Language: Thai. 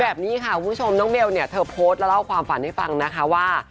แบบนี้ค่ะคุณผู้ชมน้องเบลเนี่ยเธอโพสต์แล้วเล่าความฝันให้ฟังนะคะว่า